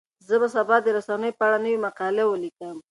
زه به سبا د رسنیو په اړه نوې مقاله ولیکم.